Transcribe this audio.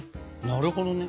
なるほどね。